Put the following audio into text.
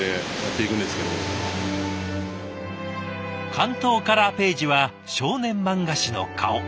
巻頭カラーページは少年漫画誌の顔。